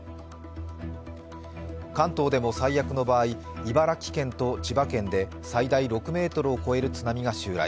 関東でも最悪の場合、茨城県と千葉県で最大６ｍを超える津波が襲来。